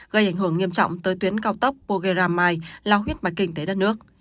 gây ảnh hưởng nghiêm trọng tới tuyến cao tốc pogromai lao huyết bạch kinh tế đất nước